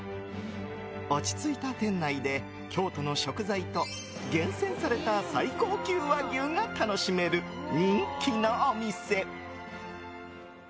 落ち着いた店内で京都の食材と厳選された最高級和牛が楽しめる人気のお店。